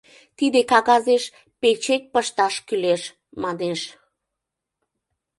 Тиде кагазеш печет пышташ кӱлеш, манеш.